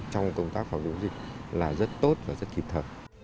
trong công tác phòng chống dịch là rất tốt và rất kịp thời